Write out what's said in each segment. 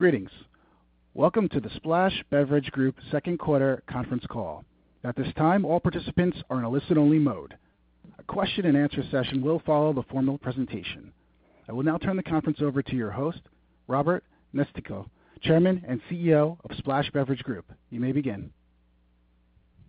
Greetings! Welcome to the Splash Beverage Group Second Quarter Conference Call. At this time, all participants are in a listen-only mode. A question-and-answer session will follow the formal presentation. I will now turn the conference over to your host, Robert Nistico, Chairman and CEO of Splash Beverage Group. You may begin.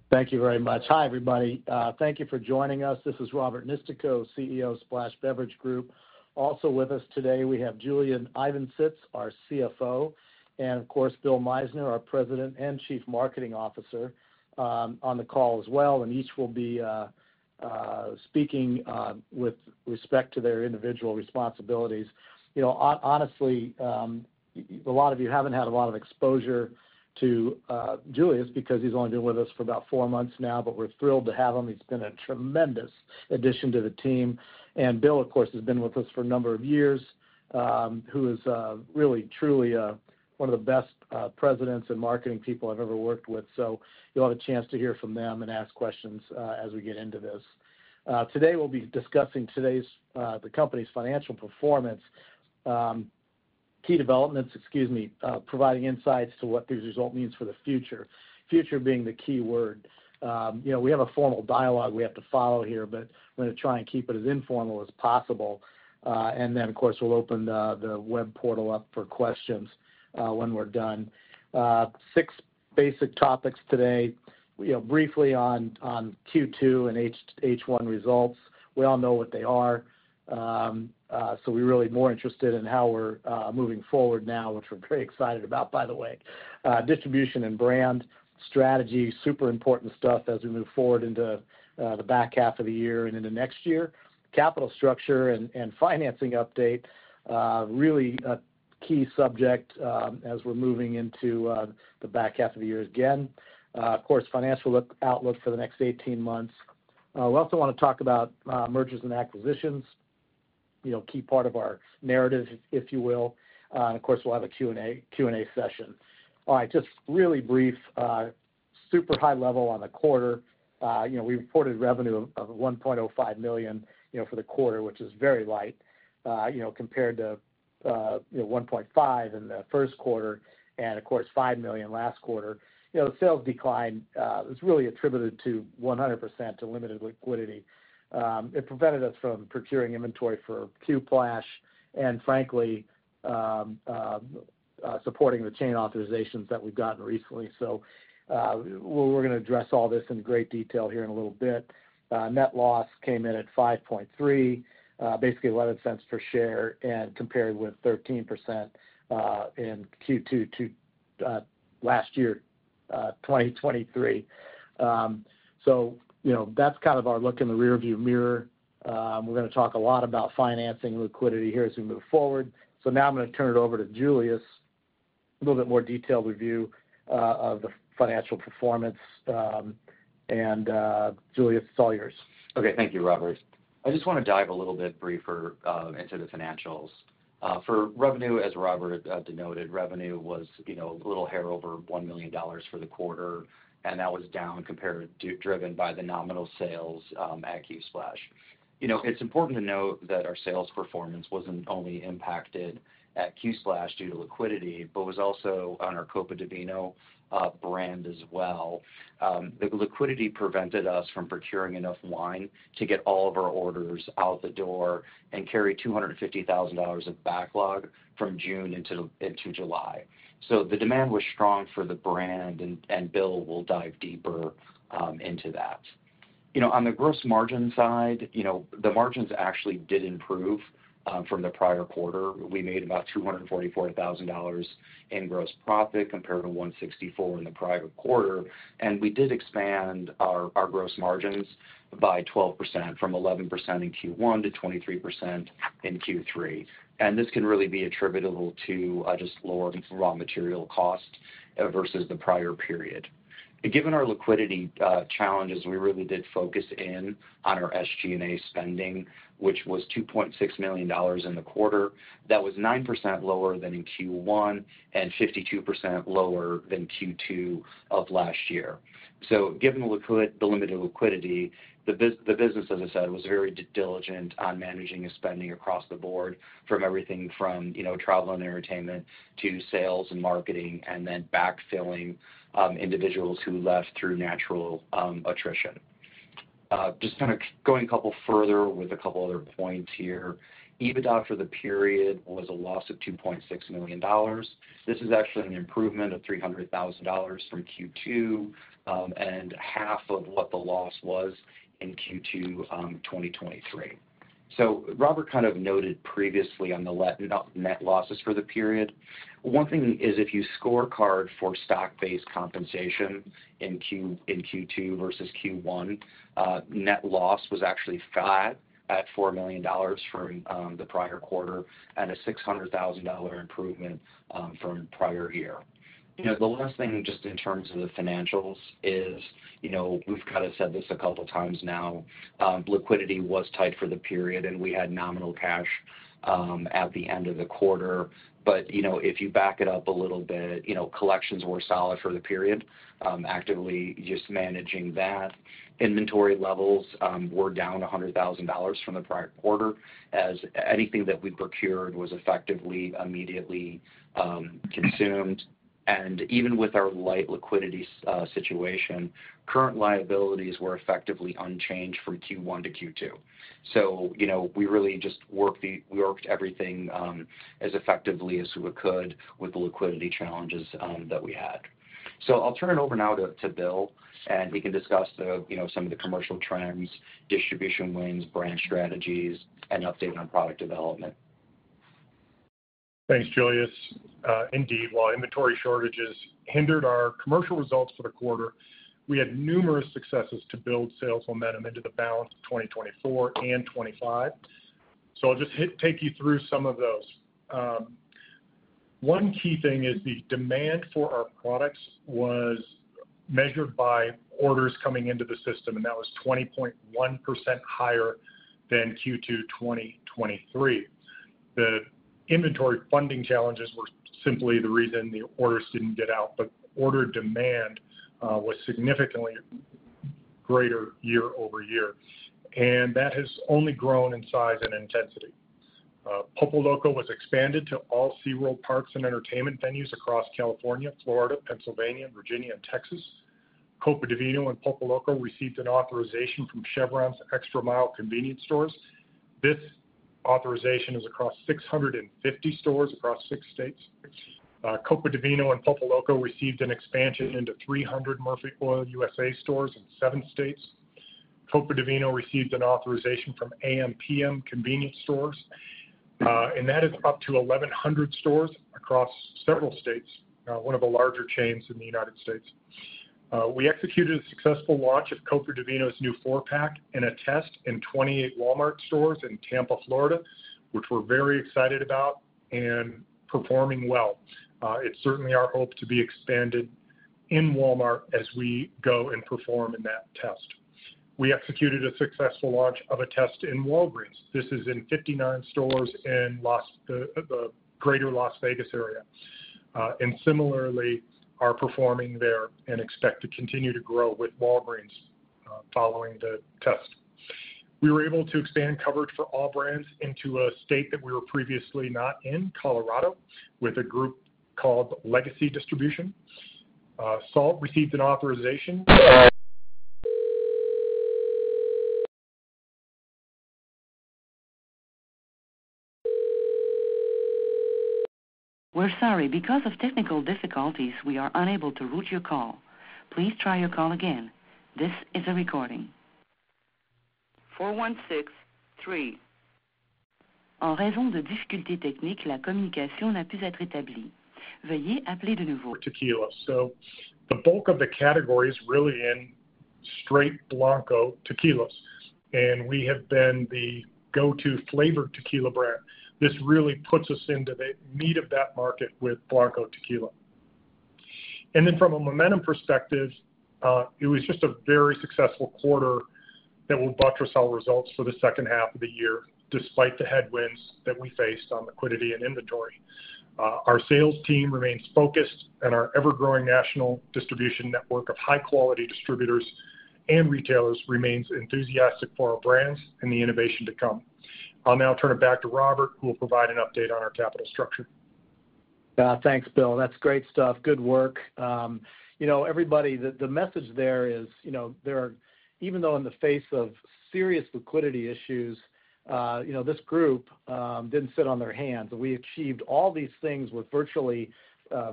Thank you very much. Hi, everybody. Thank you for joining us. This is Robert Nistico, CEO of Splash Beverage Group. Also with us today, we have Julius Ivancsits, our CFO, and of course, Bill Meissner, our President and Chief Marketing Officer, on the call as well, and each will be speaking with respect to their individual responsibilities. You know, honestly, a lot of you haven't had a lot of exposure to Julius because he's only been with us for about four months now, but we're thrilled to have him. He's been a tremendous addition to the team. Bill, of course, has been with us for a number of years, who is really, truly, one of the best presidents and marketing people I've ever worked with. You'll have a chance to hear from them and ask questions, as we get into this. Today, we'll be discussing today's the company's financial performance, key developments, excuse me, providing insights to what these results mean for the future. Future being the key word. You know, we have a formal dialogue we have to follow here, but I'm gonna try and keep it as informal as possible. Then, of course, we'll open the web portal up for questions, when we're done. Six basic topics today. You know, briefly on Q2 and H1 results. We all know what they are, so we're really more interested in how we're moving forward now, which we're very excited about, by the way. Distribution and brand strategy, super important stuff as we move forward into the back half of the year and into next year. Capital structure and financing update, really a key subject, as we're moving into the back half of the year again. Of course, financial outlook for the next eighteen months. We also want to talk about mergers and acquisitions, you know, key part of our narrative, if you will. And of course, we'll have a Q&A session. All right, just really brief, super high level on the quarter. You know, we reported revenue of $1.05 million for the quarter, which is very light, you know, compared to $1.5 million in the first quarter and, of course, $5 million last quarter. You know, the sales decline is really attributed to 100% to limited liquidity. It prevented us from procuring inventory for Qplash, and frankly, supporting the chain authorizations that we've gotten recently. So, we're gonna address all this in great detail here in a little bit. Net loss came in at $5.3, basically $0.11 per share, and compared with 13% in Q2 to last year, 2023. So, you know, that's kind of our look in the rearview mirror. We're gonna talk a lot about financing liquidity here as we move forward. So now I'm gonna turn it over to Julius, a little bit more detailed review of the financial performance, and Julius, it's all yours. Okay, thank you, Robert. I just want to dive a little bit briefer into the financials. For revenue, as Robert denoted, revenue was, you know, a little hair over $1 million for the quarter, and that was down compared to, driven by the nominal sales at Qplash. You know, it's important to note that our sales performance wasn't only impacted at Qplash due to liquidity, but was also on our Copa di Vino brand as well. The liquidity prevented us from procuring enough wine to get all of our orders out the door and carry $250,000 of backlog from June into July. So the demand was strong for the brand, and Bill will dive deeper into that. You know, on the gross margin side, you know, the margins actually did improve from the prior quarter. We made about $244,000 in gross profit compared to $164,000 in the prior quarter. We did expand our gross margins by 12%, from 11% in Q1 to 23% in Q3. This can really be attributable to just lower raw material costs versus the prior period. Given our liquidity challenges, we really did focus in on our SG&A spending, which was $2.6 million in the quarter. That was 9% lower than in Q1 and 52% lower than Q2 of last year. So given the limited liquidity, the business, as I said, was very diligent on managing its spending across the board, from everything from, you know, travel and entertainment to sales and marketing, and then backfilling individuals who left through natural attrition. Just kind of going a couple further with a couple other points here. EBITDA for the period was a loss of $2.6 million. This is actually an improvement of $300,000 from Q2, and half of what the loss was in Q2 2023. So Robert kind of noted previously on the net losses for the period. One thing is, if you scorecard for stock-based compensation in Q2 versus Q1, net loss was actually flat at $4 million from the prior quarter and a $600,000 dollar improvement from prior year. You know, the last thing, just in terms of the financials is, you know, we've kind of said this a couple times now, liquidity was tight for the period, and we had nominal cash at the end of the quarter. But, you know, if you back it up a little bit, you know, collections were solid for the period, actively just managing that. Inventory levels were down $100,000 from the prior quarter, as anything that we procured was effectively, immediately, consumed. And even with our light liquidity situation, current liabilities were effectively unchanged from Q1 to Q2. So, you know, we really just worked everything as effectively as we could with the liquidity challenges that we had. So I'll turn it over now to Bill, and he can discuss, you know, some of the commercial trends, distribution wins, brand strategies, and update on product development. ... Thanks, Julius. Indeed, while inventory shortages hindered our commercial results for the quarter, we had numerous successes to build sales momentum into the balance of 2024 and 2025. I'll just take you through some of those. One key thing is the demand for our products was measured by orders coming into the system, and that was 20.1% higher than Q2 2023. The inventory funding challenges were simply the reason the orders didn't get out, but order demand was significantly greater year over year, and that has only grown in size and intensity. Pulpoloco was expanded to all SeaWorld parks and entertainment venues across California, Florida, Pennsylvania, Virginia, and Texas. Copa di Vino and Pulpoloco received an authorization from Chevron's ExtraMile convenience stores. This authorization is across 650 stores across six states. Copa di Vino and Pulpoloco received an expansion into 300 Murphy USA stores in seven states. Copa di Vino received an authorization from AMPM convenience stores, and that is up to 1,100 stores across several states, one of the larger chains in the United States. We executed a successful launch of Copa di Vino's new four-pack in a test in 28 Walmart stores in Tampa, Florida, which we're very excited about and performing well. It's certainly our hope to be expanded in Walmart as we go and perform in that test. We executed a successful launch of a test in Walgreens. This is in 59 stores in the Greater Las Vegas area, and similarly, are performing there and expect to continue to grow with Walgreens, following the test. We were able to expand coverage for all brands into a state that we were previously not in, Colorado, with a group called Legacy Distribution. SALT received an authorization- We're sorry, because of technical difficulties, we are unable to route your call. Please try your call again. This is a recording. Four, one, six, three. Tequila. So the bulk of the category is really in straight Blanco tequilas, and we have been the go-to flavored tequila brand. This really puts us into the meat of that market with Blanco tequila. And then from a momentum perspective, it was just a very successful quarter that will buttress our results for the second half of the year, despite the headwinds that we faced on liquidity and inventory. Our sales team remains focused, and our ever-growing national distribution network of high-quality distributors and retailers remains enthusiastic for our brands and the innovation to come. I'll now turn it back to Robert, who will provide an update on our capital structure. Thanks, Bill. That's great stuff. Good work. You know, everybody, the message there is, you know, there are even though in the face of serious liquidity issues, you know, this group didn't sit on their hands. We achieved all these things with virtually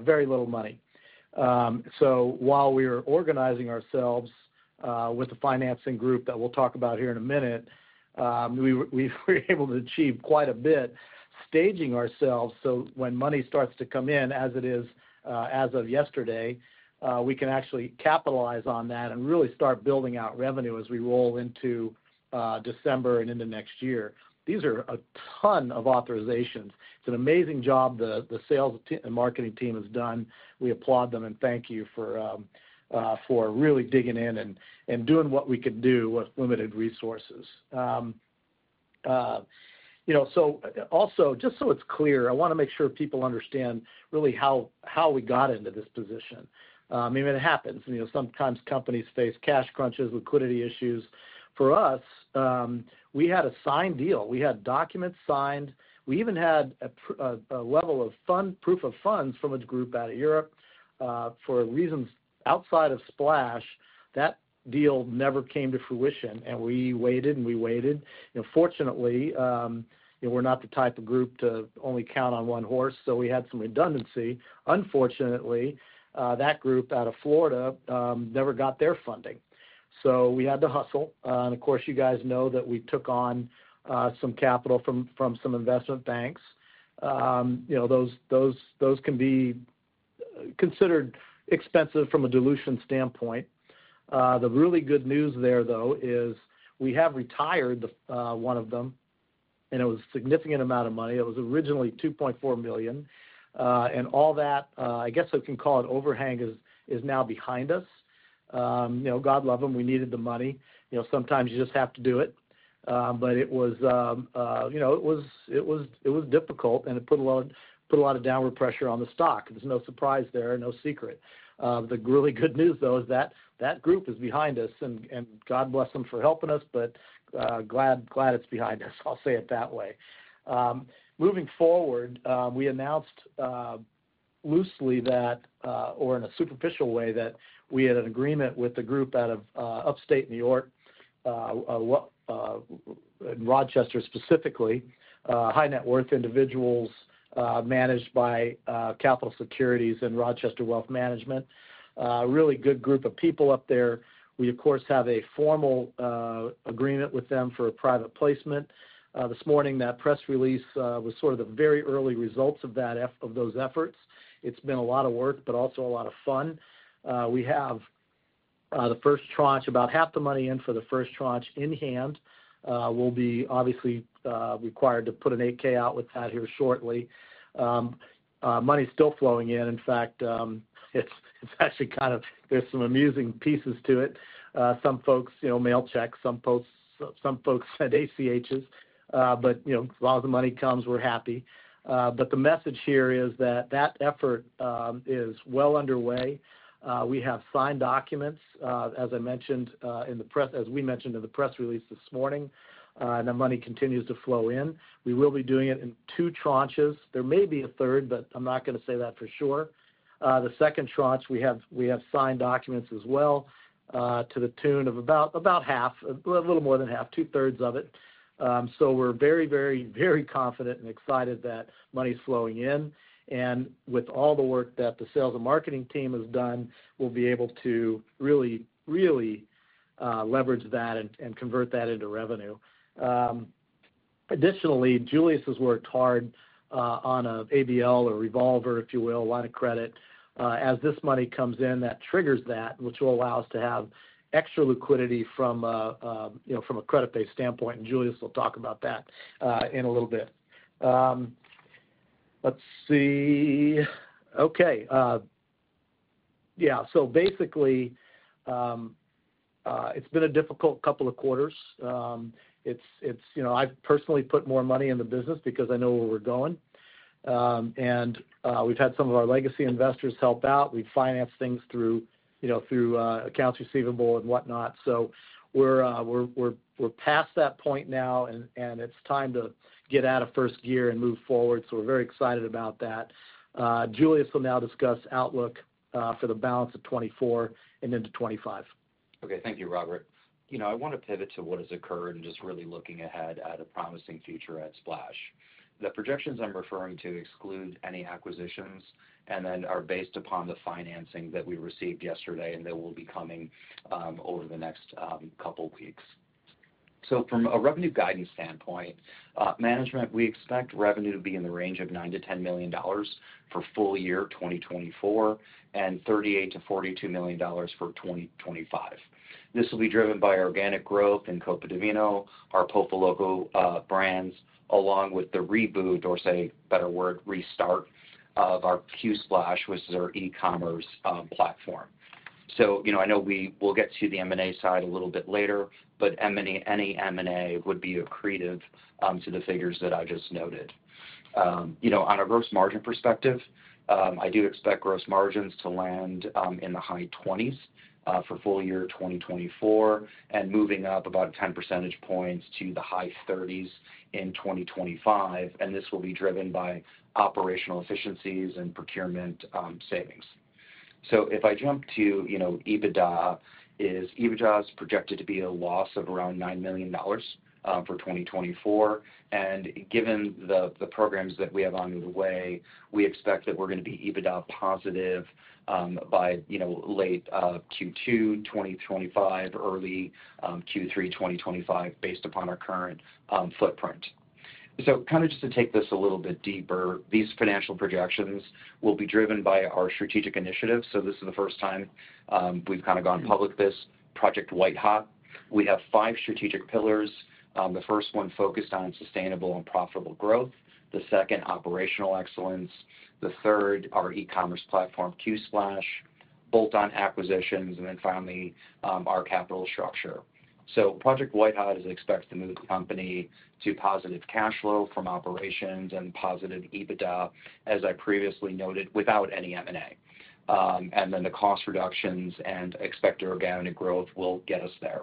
very little money. So while we were organizing ourselves with the financing group that we'll talk about here in a minute, we were able to achieve quite a bit, staging ourselves so when money starts to come in as it is, as of yesterday, we can actually capitalize on that and really start building out revenue as we roll into December and into next year. These are a ton of authorizations. It's an amazing job the marketing team has done. We applaud them and thank you for really digging in and doing what we could do with limited resources. You know, so also, just so it's clear, I wanna make sure people understand really how we got into this position. I mean, it happens. You know, sometimes companies face cash crunches, liquidity issues. For us, we had a signed deal. We had documents signed. We even had proof of funds from a group out of Europe, for reasons outside of Splash, that deal never came to fruition, and we waited, and we waited. You know, fortunately, we're not the type of group to only count on one horse, so we had some redundancy. Unfortunately, that group out of Florida never got their funding. We had to hustle. And of course, you guys know that we took on some capital from some investment banks. You know, those can be considered expensive from a dilution standpoint. The really good news there, though, is we have retired the one of them, and it was a significant amount of money. It was originally $2.4 million, and all that, I guess you can call it overhang, is now behind us. You know, God love them, we needed the money. You know, sometimes you just have to do it. But it was, you know, it was difficult, and it put a lot of downward pressure on the stock. There's no surprise there, no secret. The really good news, though, is that that group is behind us, and God bless them for helping us, but glad it's behind us, I'll say it that way. Moving forward, we announced loosely that, or in a superficial way, that we had an agreement with the group out of upstate New York, Rochester, specifically, high-net-worth individuals, managed by Capitol Securities and Rochester Wealth Management. A really good group of people up there. We, of course, have a formal agreement with them for a private placement. This morning, that press release was sort of the very early results of that of those efforts. It's been a lot of work, but also a lot of fun. We have...... The first tranche, about half the money in for the first tranche in hand, will be obviously required to put an 8-K out with that here shortly. Money is still flowing in. In fact, it's actually kind of. There's some amusing pieces to it. Some folks, you know, mail checks, some folks send ACHs. But, you know, as long as the money comes, we're happy. But the message here is that that effort is well underway. We have signed documents, as we mentioned in the press release this morning, and the money continues to flow in. We will be doing it in two tranches. There may be a third, but I'm not going to say that for sure. The second tranche, we have signed documents as well, to the tune of about half, a little more than half, two-thirds of it. So we're very confident and excited that money is flowing in. With all the work that the sales and marketing team has done, we'll be able to really leverage that and convert that into revenue. Additionally, Julius has worked hard on an ABL or revolver, if you will, line of credit. As this money comes in, that triggers that, which will allow us to have extra liquidity from a, you know, from a credit-based standpoint. Julius will talk about that in a little bit. So basically, it's been a difficult couple of quarters. It's, you know, I've personally put more money in the business because I know where we're going. We've had some of our legacy investors help out. We've financed things through, you know, accounts receivable and whatnot. So we're past that point now, and it's time to get out of first gear and move forward. So we're very excited about that. Julius will now discuss outlook for the balance of 2024 and into 2025. Okay. Thank you, Robert. You know, I want to pivot to what has occurred and just really looking ahead at a promising future at Splash. The projections I'm referring to exclude any acquisitions and then are based upon the financing that we received yesterday and that will be coming over the next couple weeks. So from a revenue guidance standpoint, management, we expect revenue to be in the range of $9 million-$10 million for full year 2024, and $38 million-$42 million for 2025. This will be driven by organic growth in Copa di Vino, our Pulpoloco brands, along with the reboot, or say, a better word, restart of our Qplash, which is our e-commerce platform. So, you know, I know we will get to the M&A side a little bit later, but M&A, any M&A would be accretive to the figures that I just noted. You know, on a gross margin perspective, I do expect gross margins to land in the high twenties for full year 2024, and moving up about 10 percentage points to the high 30s in 2025, and this will be driven by operational efficiencies and procurement savings. So if I jump to, you know, EBITDA, EBITDA is projected to be a loss of around $9 million for 2024. And given the programs that we have on the way, we expect that we're going to be EBITDA positive by, you know, late Q2 2025, early Q3 2025, based upon our current footprint. So kind of just to take this a little bit deeper, these financial projections will be driven by our strategic initiatives. So this is the first time, we've kind of gone public this Project White Hot. We have five strategic pillars. The first one focused on sustainable and profitable growth, the second, operational excellence, the third, our e-commerce platform, Qplash, bolt-on acquisitions, and then finally, our capital structure. So Project White Hot is expected to move the company to positive cash flow from operations and positive EBITDA, as I previously noted, without any M&A. And then the cost reductions and expected organic growth will get us there.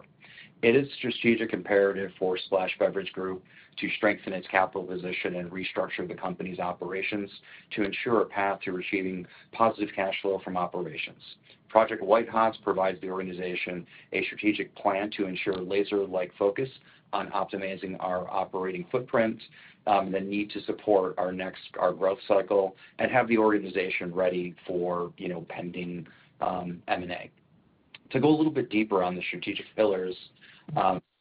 It is strategic imperative for Splash Beverage Group to strengthen its capital position and restructure the company's operations to ensure a path to receiving positive cash flow from operations. Project White Hot provides the organization a strategic plan to ensure laser-like focus on optimizing our operating footprint, the need to support our next, our growth cycle and have the organization ready for, you know, pending M&A. To go a little bit deeper on the strategic pillars,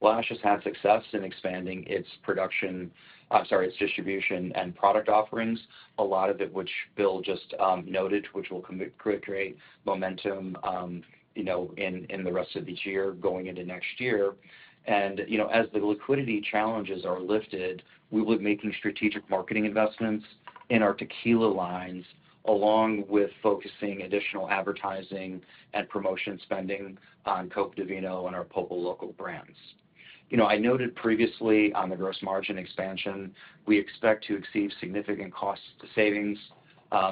Splash has had success in expanding its production, I'm sorry, its distribution and product offerings, a lot of it, which Bill just noted, which will create momentum, you know, in the rest of this year, going into next year. You know, as the liquidity challenges are lifted, we will be making strategic marketing investments in our tequila lines, along with focusing additional advertising and promotion spending on Copa di Vino and our Pulpoloco brands. You know, I noted previously on the gross margin expansion, we expect to achieve significant cost savings,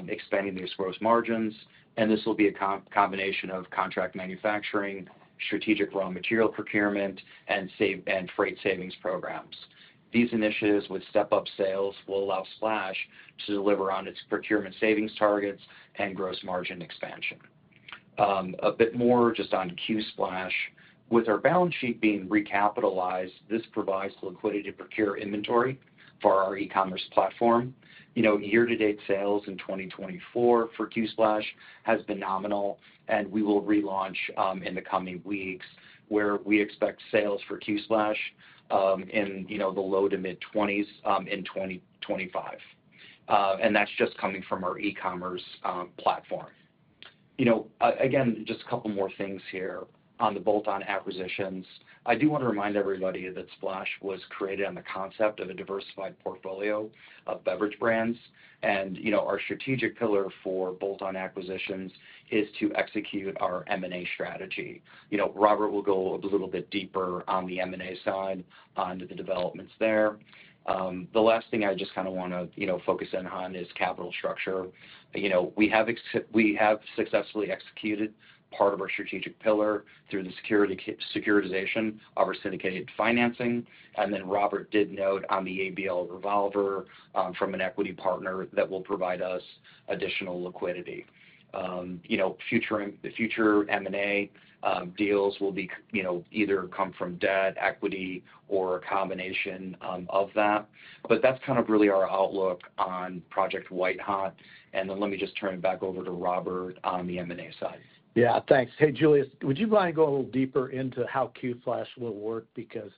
expanding these gross margins, and this will be a combination of contract manufacturing, strategic raw material procurement, and freight savings programs. These initiatives, with step-up sales, will allow Splash to deliver on its procurement savings targets and gross margin expansion. A bit more just on Qplash. With our balance sheet being recapitalized, this provides liquidity to procure inventory for our e-commerce platform. You know, year-to-date sales in 2024 for Qplash has been nominal, and we will relaunch in the coming weeks, where we expect sales for Qplash in the low to mid-20s in 2025, and that's just coming from our e-commerce platform. You know, again, just a couple more things here on the bolt-on acquisitions. I do wanna remind everybody that Splash was created on the concept of a diversified portfolio of beverage brands, and, you know, our strategic pillar for bolt-on acquisitions is to execute our M&A strategy. You know, Robert will go a little bit deeper on the M&A side, onto the developments there. The last thing I just kinda wanna, you know, focus in on is capital structure. You know, we have successfully executed part of our strategic pillar through the securitization of our syndicated financing, and then Robert did note on the ABL revolver from an equity partner that will provide us additional liquidity. You know, the future M&A deals will be, you know, either come from debt, equity, or a combination of that. But that's kind of really our outlook on Project White Hot, and then let me just turn it back over to Robert on the M&A side. Yeah, thanks. Hey, Julius, would you mind going a little deeper into how Qplash will work? Because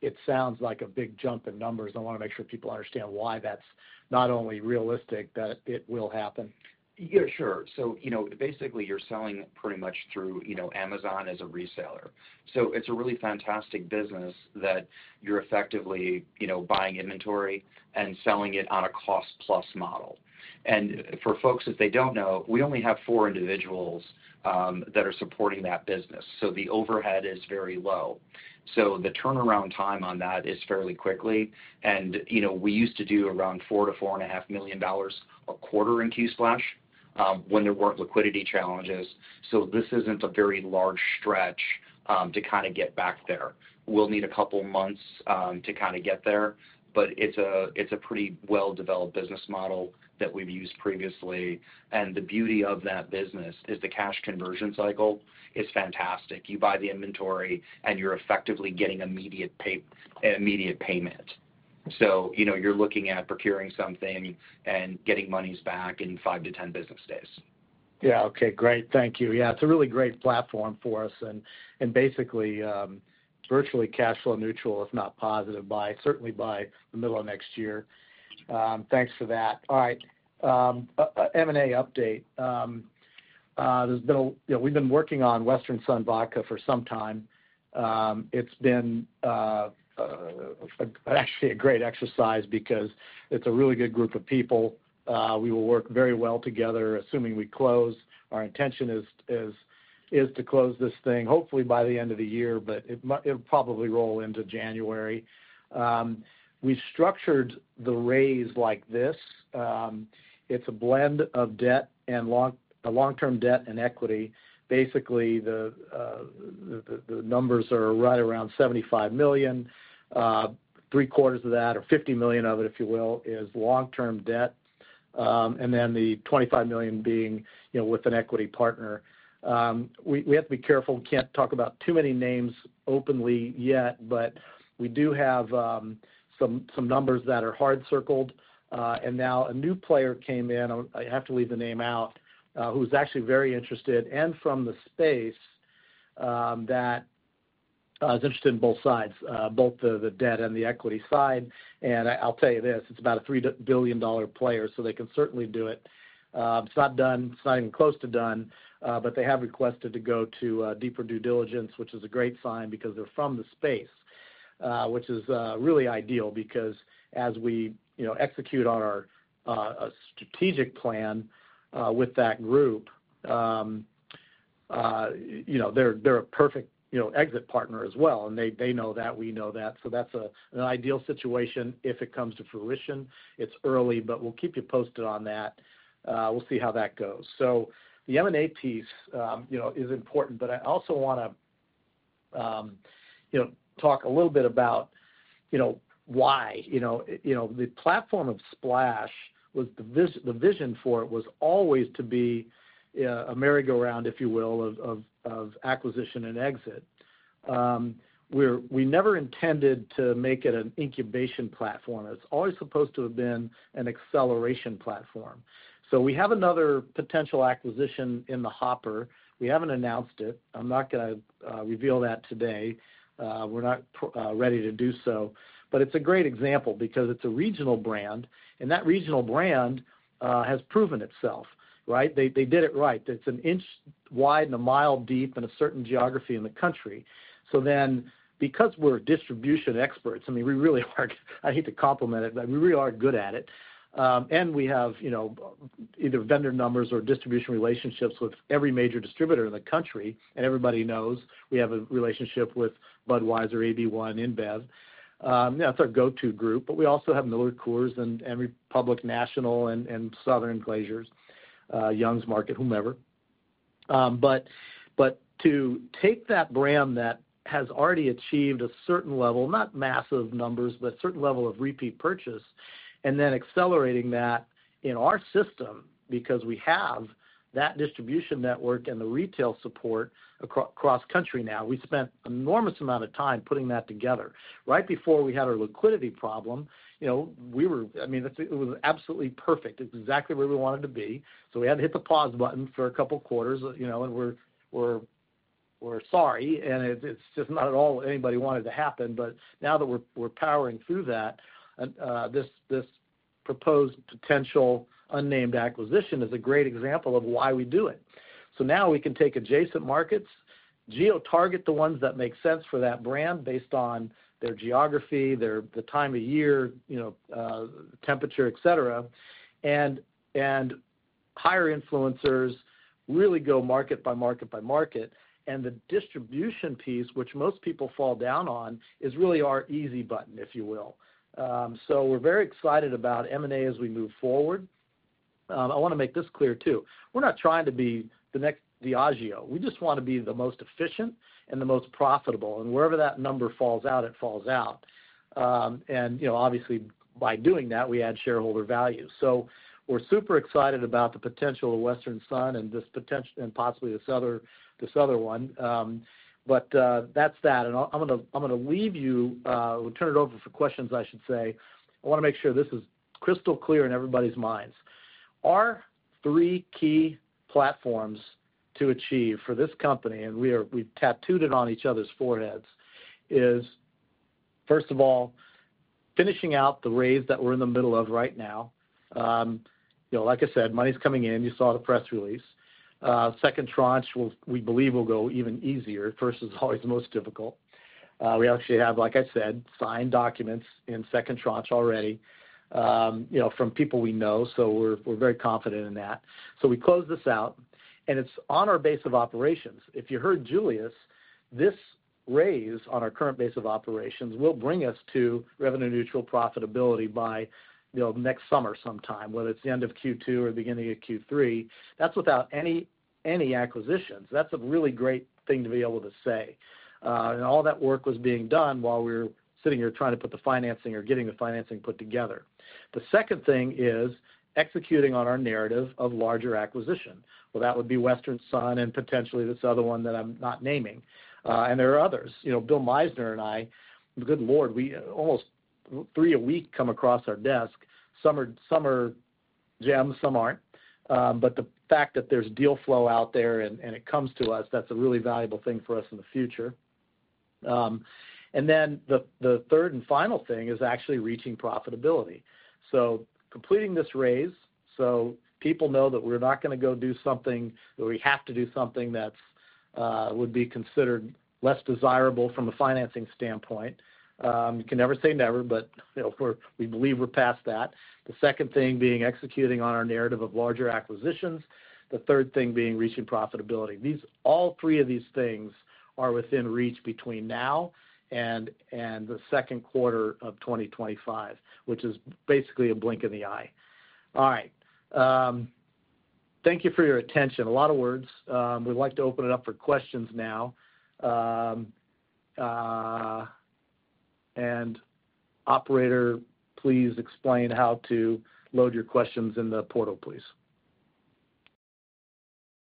it sounds like a big jump in numbers, and I wanna make sure people understand why that's not only realistic, but it will happen. Yeah, sure. So, you know, basically, you're selling pretty much through, you know, Amazon as a reseller. So it's a really fantastic business that you're effectively, you know, buying inventory and selling it on a cost-plus model. And for folks, if they don't know, we only have four individuals that are supporting that business, so the overhead is very low. So the turnaround time on that is fairly quickly. And, you know, we used to do around $4 million-$4.5 million a quarter in Qplash when there weren't liquidity challenges. So this isn't a very large stretch to kind of get back there. We'll need a couple months to kind of get there, but it's a pretty well-developed business model that we've used previously. And the beauty of that business is the cash conversion cycle is fantastic. You buy the inventory, and you're effectively getting immediate payment. So, you know, you're looking at procuring something and getting monies back in five to 10 business days. Yeah, okay, great. Thank you. Yeah, it's a really great platform for us and basically virtually cash flow neutral, if not positive, by certainly by the middle of next year. Thanks for that. All right, M&A update. There's been a... You know, we've been working on Western Son Vodka for some time. It's been actually a great exercise because it's a really good group of people. We will work very well together, assuming we close. Our intention is to close this thing, hopefully by the end of the year, but it might- it'll probably roll into January. We've structured the raise like this. It's a blend of debt and long, long-term debt and equity. Basically, the numbers are right around $75 million, three quarters of that, or $50 million of it, if you will, is long-term debt, and then the $25 million being, you know, with an equity partner. We have to be careful. We can't talk about too many names openly yet, but we do have some numbers that are hard circled. And now a new player came in, I have to leave the name out, who's actually very interested and from the space, that is interested in both sides, both the debt and the equity side. And I'll tell you this, it's about a 3 billion-dollar player, so they can certainly do it. It's not done, it's not even close to done, but they have requested to go to deeper due diligence, which is a great sign because they're from the space, which is really ideal because as we, you know, execute on our strategic plan with that group, you know, they're a perfect, you know, exit partner as well, and they know that, we know that, so that's an ideal situation if it comes to fruition. It's early, but we'll keep you posted on that. We'll see how that goes. So the M&A piece, you know, is important, but I also wanna, you know, talk a little bit about, you know, why. You know, the platform of Splash was the vision for it was always to be a merry-go-round, if you will, of acquisition and exit. We never intended to make it an incubation platform. It's always supposed to have been an acceleration platform. So we have another potential acquisition in the hopper. We haven't announced it. I'm not gonna reveal that today. We're not ready to do so, but it's a great example because it's a regional brand, and that regional brand has proven itself, right? They did it right. It's an inch wide and a mile deep in a certain geography in the country. So then, because we're distribution experts, I mean, we really are. I hate to compliment it, but we really are good at it. And we have, you know, either vendor numbers or distribution relationships with every major distributor in the country, and everybody knows we have a relationship Budweiser AB InBev. That's our go-to group, but we also have MillerCoors and Republic National and Southern Glazer's, Young's Market, whomever. But to take that brand that has already achieved a certain level, not massive numbers, but a certain level of repeat purchase, and then accelerating that in our system, because we have that distribution network and the retail support across country now, we spent enormous amount of time putting that together. Right before we had our liquidity problem, you know, I mean, it was absolutely perfect. It was exactly where we wanted to be. So we had to hit the pause button for a couple quarters, you know, and we're, we're-... We're sorry, and it's just not at all what anybody wanted to happen, but now that we're powering through that, this proposed potential unnamed acquisition is a great example of why we do it, so now we can take adjacent markets, geotarget the ones that make sense for that brand based on their geography, the time of year, you know, temperature, et cetera, and hire influencers, really go market by market by market, and the distribution piece, which most people fall down on, is really our easy button, if you will, so we're very excited about M&A as we move forward. I wanna make this clear, too. We're not trying to be the next Diageo. We just wanna be the most efficient and the most profitable, and wherever that number falls out, it falls out. And, you know, obviously, by doing that, we add shareholder value. So we're super excited about the potential of Western Son and possibly this other one. But that's that. And I'm gonna leave you or turn it over for questions, I should say. I wanna make sure this is crystal clear in everybody's minds. Our three key platforms to achieve for this company, and we've tattooed it on each other's foreheads, is, first of all, finishing out the raise that we're in the middle of right now. You know, like I said, money's coming in. You saw the press release. Second tranche, we believe, will go even easier. First is always the most difficult. We actually have, like I said, signed documents in second tranche already, you know, from people we know, so we're, we're very confident in that. So we close this out, and it's on our base of operations. If you heard Julius, this raise on our current base of operations will bring us to revenue-neutral profitability by, you know, next summer sometime, whether it's the end of Q2 or beginning of Q3. That's without any, any acquisitions. That's a really great thing to be able to say. And all that work was being done while we were sitting here trying to put the financing or getting the financing put together. The second thing is executing on our narrative of larger acquisition. Well, that would be Western Son and potentially this other one that I'm not naming. And there are others. You know, Bill Meissner and I, good Lord, we almost three a week come across our desk. Some are, some are gems, some aren't. But the fact that there's deal flow out there and, and it comes to us, that's a really valuable thing for us in the future. And then the third and final thing is actually reaching profitability. So completing this raise, so people know that we're not gonna go do something, or we have to do something that's would be considered less desirable from a financing standpoint. You can never say never, but, you know, we believe we're past that. The second thing being executing on our narrative of larger acquisitions. The third thing being reaching profitability. All three of these things are within reach between now and the second quarter of 2025, which is basically a blink in the eye. All right. Thank you for your attention. A lot of words. We'd like to open it up for questions now, and operator, please explain how to load your questions in the portal, please.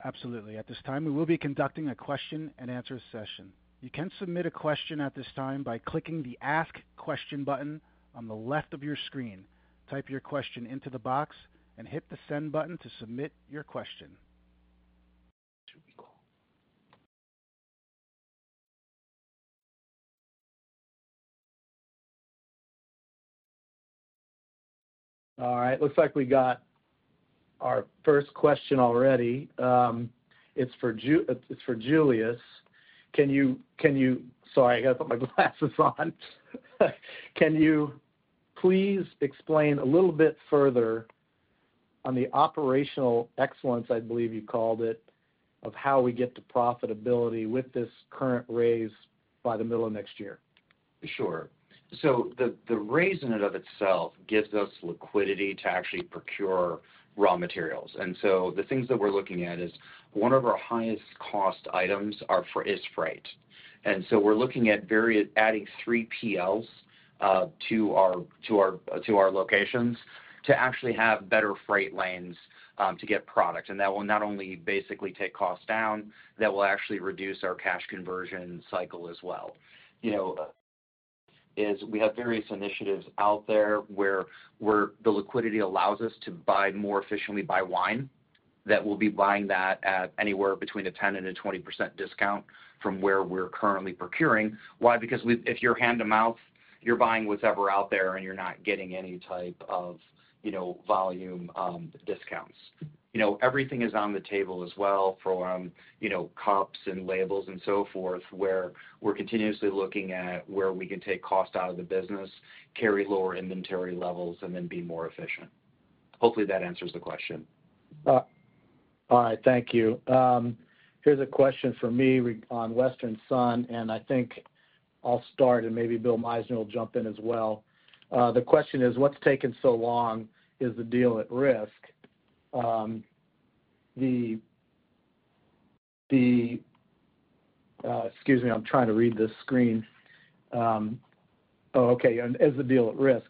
Absolutely. At this time, we will be conducting a question-and-answer session. You can submit a question at this time by clicking the Ask Question button on the left of your screen. Type your question into the box and hit the Send button to submit your question. All right, looks like we got our first question already. It's for Julius. Can you... Sorry, I gotta put my glasses on. Can you please explain a little bit further on the operational excellence, I believe you called it, of how we get to profitability with this current raise by the middle of next year? Sure. The raise in and of itself gives us liquidity to actually procure raw materials. The things that we're looking at is one of our highest cost items is freight. We're looking at various adding 3PLs to our locations to actually have better freight lanes to get product. That will not only basically take costs down, that will actually reduce our cash conversion cycle as well. You know, we have various initiatives out there where the liquidity allows us to buy more efficiently, buy wine that we'll be buying that at anywhere between 10% and 20% discount from where we're currently procuring. Why? Because we if you're hand-to-mouth, you're buying whatever out there, and you're not getting any type of, you know, volume discounts. You know, everything is on the table as well for, you know, cups and labels and so forth, where we're continuously looking at where we can take cost out of the business, carry lower inventory levels, and then be more efficient. Hopefully, that answers the question. All right, thank you. Here's a question for me re-- on Western Son, and I think I'll start, and maybe Bill Meissner will jump in as well. The question is: What's taking so long? Is the deal at risk? Excuse me, I'm trying to read this screen. Oh, okay, and is the deal at risk?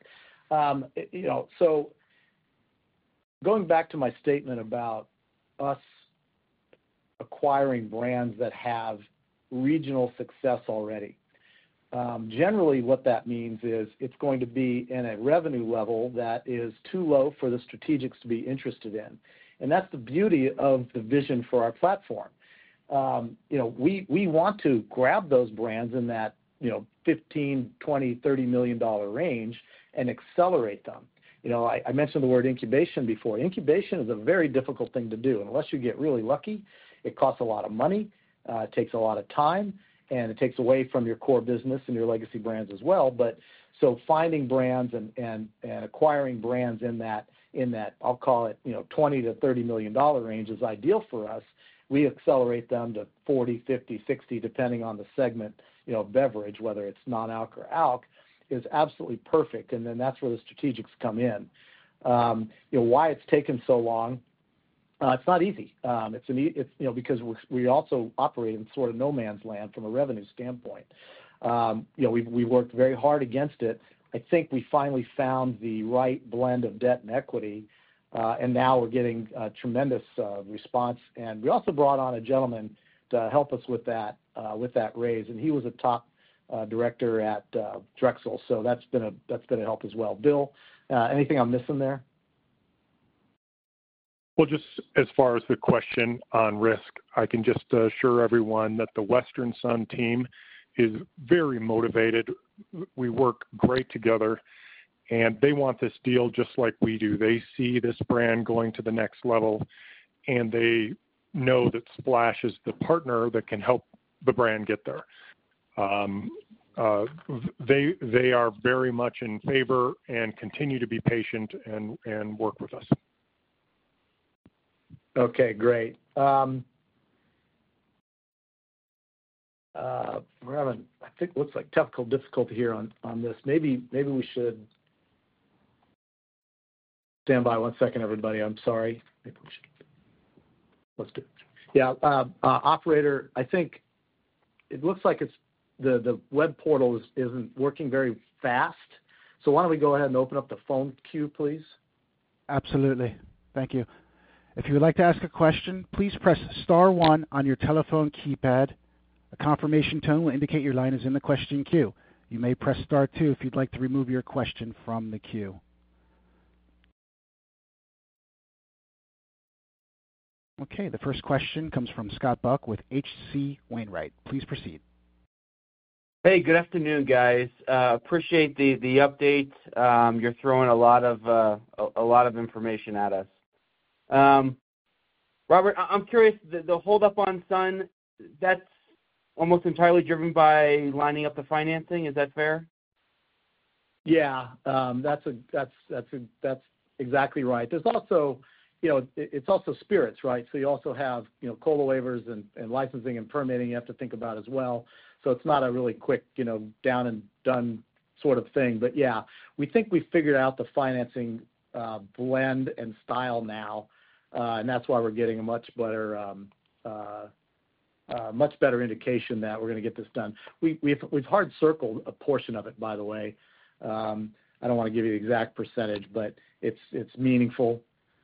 You know, so going back to my statement about us acquiring brands that have regional success already, generally, what that means is it's going to be in a revenue level that is too low for the strategics to be interested in. That's the beauty of the vision for our platform. You know, we want to grab those brands in that $15 million-$30 million range and accelerate them. You know, I mentioned the word incubation before. Incubation is a very difficult thing to do. Unless you get really lucky, it costs a lot of money, it takes a lot of time, and it takes away from your core business and your legacy brands as well. Finding brands and acquiring brands in that, in that, I'll call it, you know, $20 million-$30 million range, is ideal for us. We accelerate them to $40 million, $50 million, $60 million, depending on the segment, you know, beverage, whether it's non-alc or alc, is absolutely perfect, and then that's where the strategics come in. You know, why it's taken so long? It's not easy. You know, because we also operate in sort of no man's land from a revenue standpoint. You know, we worked very hard against it. I think we finally found the right blend of debt and equity, and now we're getting a tremendous response, and we also brought on a gentleman to help us with that, with that raise, and he was a top Director at Drexel. So that's been a help as well. Bill, anything I'm missing there? Just as far as the question on risk, I can just assure everyone that the Western Son team is very motivated. We work great together, and they want this deal just like we do. They see this brand going to the next level, and they know that Splash is the partner that can help the brand get there. They are very much in favor and continue to be patient and work with us. Okay, great. We're having, I think, what looks like technical difficulty here on this. Maybe we should... Stand by one second, everybody. I'm sorry. Maybe we should. Let's do it. Yeah, operator, I think it looks like it's the web portal isn't working very fast, so why don't we go ahead and open up the phone queue, please? Absolutely. Thank you. If you would like to ask a question, please press star one on your telephone keypad. A confirmation tone will indicate your line is in the question queue. You may press star two if you'd like to remove your question from the queue. Okay, the first question comes from Scott Buck with H.C. Wainwright. Please proceed. Hey, good afternoon, guys. Appreciate the update. Robert, I'm curious, the hold up on Son, that's almost entirely driven by lining up the financing. Is that fair? Yeah, that's exactly right. There's also, you know, it's also spirits, right? So you also have, you know, control waivers and licensing and permitting you have to think about as well. So it's not a really quick, you know, down and done sort of thing. But yeah, we think we figured out the financing, blend and style now, and that's why we're getting a much better indication that we're gonna get this done. We've hard circled a portion of it, by the way. I don't wanna give you the exact percentage, but it's meaningful.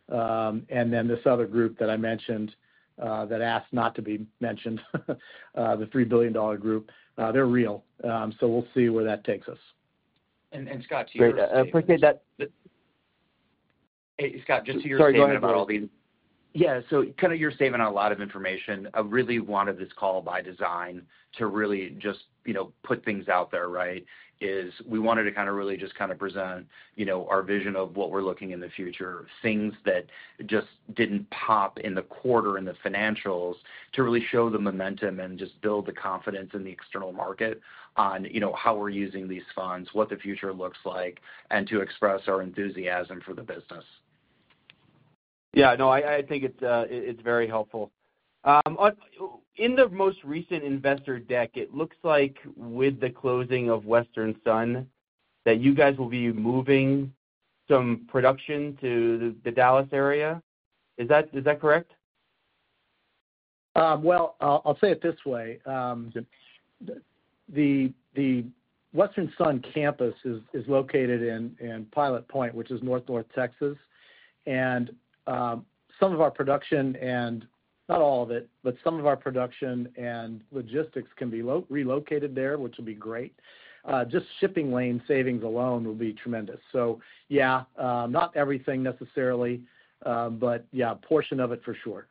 And then this other group that I mentioned, that asked not to be mentioned, the $3 billion group, they're real. So we'll see where that takes us. Scott, to you- Great. Appreciate that- Hey, Scott, just to your- Sorry, go ahead, Bill. Yeah, so kind of you're saving on a lot of information. I really wanted this call by design to really just, you know, put things out there, right? We wanted to kind of really just kind of present, you know, our vision of what we're looking in the future, things that just didn't pop in the quarter, in the financials, to really show the momentum and just build the confidence in the external market on, you know, how we're using these funds, what the future looks like, and to express our enthusiasm for the business. Yeah. No, I, I think it's very helpful. In the most recent investor deck, it looks like with the closing of Western Son, that you guys will be moving some production to the Dallas area. Is that correct? I'll say it this way. The Western Son campus is located in Pilot Point, which is North Texas. Some of our production and, not all of it, but some of our production and logistics can be relocated there, which will be great. Just shipping lane savings alone will be tremendous. Yeah, not everything necessarily, but yeah, a portion of it for sure.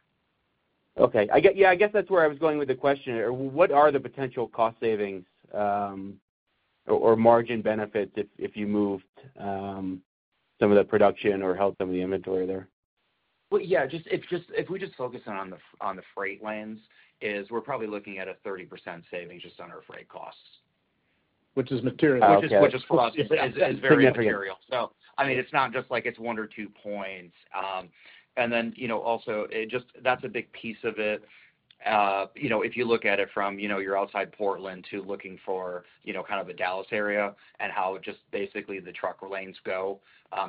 Okay. I get yeah, I guess that's where I was going with the question. What are the potential cost savings or margin benefits if you moved some of the production or held some of the inventory there? Yeah, if we just focus on the freight lanes, we're probably looking at a 30% savings just on our freight costs. Which is material- Okay. Which is for us very material. So, I mean, it's not just like it's one or two points. And then, you know, also, it just, that's a big piece of it. You know, if you look at it from, you know, you're outside Portland to looking for, you know, kind of the Dallas area and how just basically the trucker lanes go,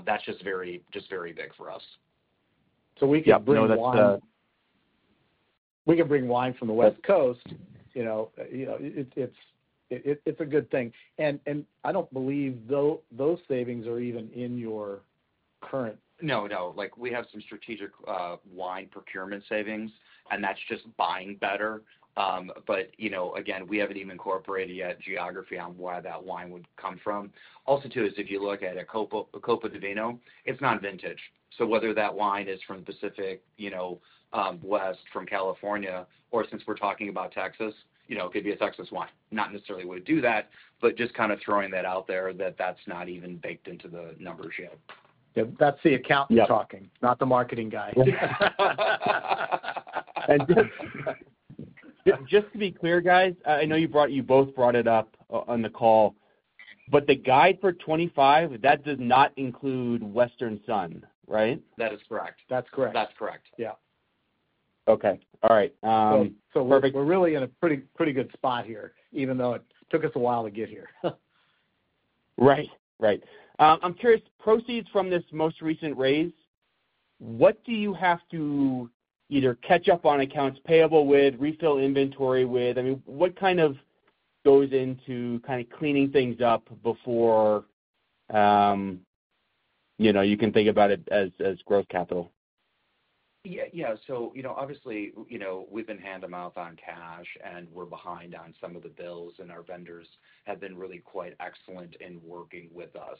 that's just very big for us. So we can bring wine- Yeah, I know that's. We can bring wine from the West Coast, you know, it's a good thing, and I don't believe those savings are even in your...... No, no, like we have some strategic wine procurement savings, and that's just buying better, but you know, again, we haven't even incorporated yet geography on where that wine would come from. Also, too, is if you look at a Copa, a Copa di Vino, it's not vintage. So whether that wine is from the Pacific, you know, West, from California, or since we're talking about Texas, you know, could be a Texas wine. Not necessarily would do that, but just kind of throwing that out there that that's not even baked into the numbers yet. Yep, that's the accountant talking. Yep. -not the marketing guy. Just to be clear, guys, I know you both brought it up on the call, but the guide for 2025, that does not include Western Son, right? That is correct. That's correct. That's correct. Yeah. Okay. All right, So- Perfect. We're really in a pretty, pretty good spot here, even though it took us a while to get here. Right. Right. I'm curious, proceeds from this most recent raise, what do you have to either catch up on accounts payable with, refill inventory with? I mean, what kind of goes into kind of cleaning things up before, you know, you can think about it as, as growth capital? Yeah. So, you know, obviously, you know, we've been hand-to-mouth on cash, and we're behind on some of the bills, and our vendors have been really quite excellent in working with us.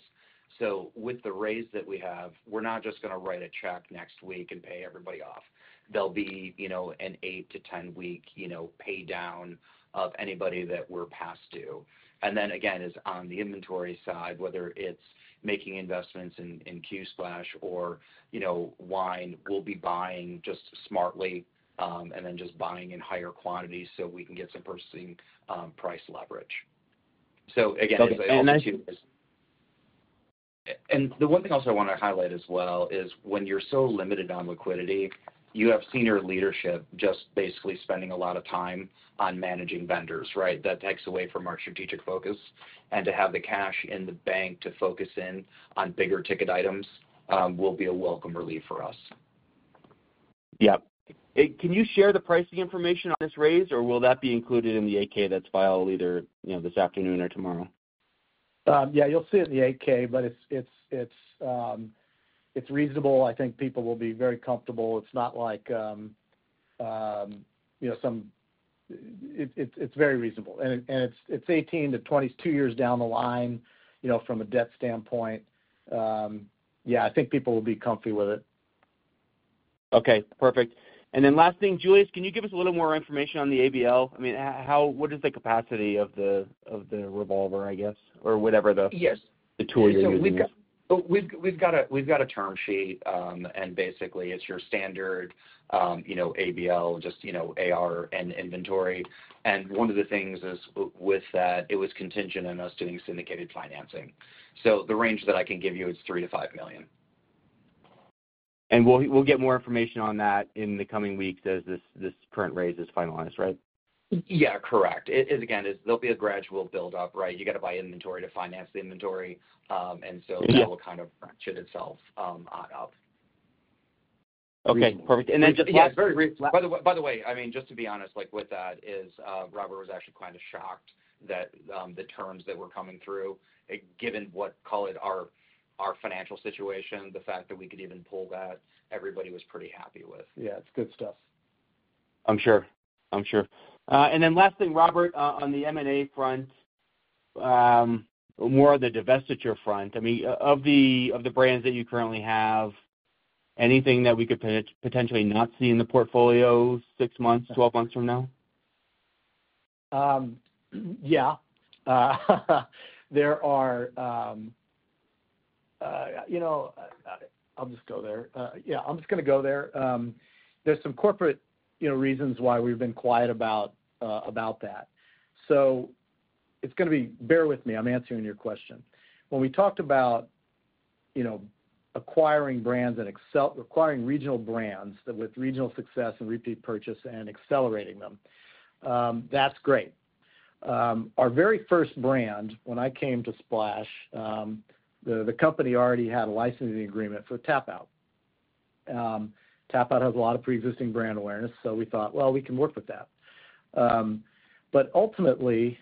So with the raise that we have, we're not just gonna write a check next week and pay everybody off. There'll be, you know, an eight to 10 week, you know, pay down of anybody that we're past due. And then again, is on the inventory side, whether it's making investments in Qplash or, you know, wine, we'll be buying just smartly, and then just buying in higher quantities so we can get some purchasing price leverage. So again- Okay, and then- And the one thing I also want to highlight as well is when you're so limited on liquidity, you have senior leadership just basically spending a lot of time on managing vendors, right? That takes away from our strategic focus. And to have the cash in the bank to focus in on bigger ticket items, will be a welcome relief for us. Yep. And can you share the pricing information on this raise, or will that be included in the 8-K that's filed either, you know, this afternoon or tomorrow? Yeah, you'll see it in the 8-K, but it's reasonable. I think people will be very comfortable. It's not like, you know. It's very reasonable. And it's 18-22 years down the line, you know, from a debt standpoint. Yeah, I think people will be comfy with it. Okay, perfect. And then last thing, Julius, can you give us a little more information on the ABL? I mean, how... What is the capacity of the revolver, I guess, or whatever the- Yes The tool you're using? So we've got a term sheet, and basically, it's your standard, you know, ABL, just, you know, AR and inventory. And one of the things is with that, it was contingent on us doing syndicated financing. So the range that I can give you is $3 million-$5 million. We'll get more information on that in the coming weeks as this current raise is finalized, right? Yeah, correct. It, again, there'll be a gradual build-up, right? You got to buy inventory to finance the inventory. And so- Mm-hmm... that will kind of ratchet itself up. Okay, perfect. Yeah, And then just last- By the way, I mean, just to be honest, like with that, Robert was actually kind of shocked that the terms that were coming through, given what, call it, our financial situation, the fact that we could even pull that, everybody was pretty happy with. Yeah, it's good stuff. I'm sure. I'm sure. And then last thing, Robert, on the M&A front, more on the divestiture front, I mean, of the brands that you currently have, anything that we could potentially not see in the portfolio six months, 12 months from now? Yeah. There are, you know, I'll just go there. Yeah, I'm just gonna go there. There's some corporate, you know, reasons why we've been quiet about, about that. So it's gonna be... Bear with me, I'm answering your question. When we talked about, you know, acquiring brands and excel-- acquiring regional brands that with regional success and repeat purchase and accelerating them, that's great. Our very first brand, when I came to Splash, the company already had a licensing agreement for TapouT. TapouT has a lot of pre-existing brand awareness, so we thought, Well, we can work with that. But ultimately,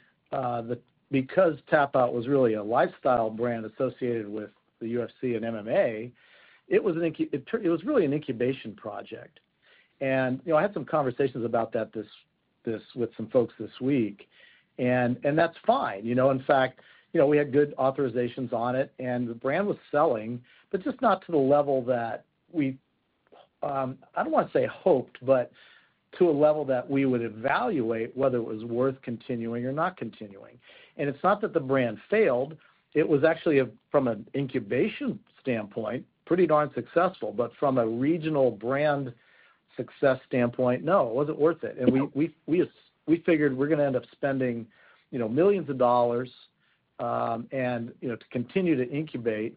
because TapouT was really a lifestyle brand associated with the UFC and MMA, it was really an incubation project. You know, I had some conversations about that this week with some folks, and that's fine. You know, in fact, you know, we had good authorizations on it, and the brand was selling, but just not to the level that we, I don't want to say hoped, but to a level that we would evaluate whether it was worth continuing or not continuing. It's not that the brand failed. It was actually from an incubation standpoint, pretty darn successful, but from a regional brand success standpoint, no, it wasn't worth it. Yep. We figured we're gonna end up spending, you know, millions of dollars, and, you know, to continue to incubate,